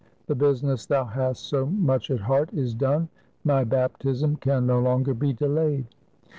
The business thou hast so much at heart is done: my baptism can no longer be delayed."